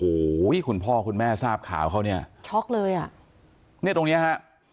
โอ้โหคุณพ่อคุณแม่ทราบข่าวเขาเนี่ยช็อกเลยอ่ะเนี่ยตรงเนี้ยฮะ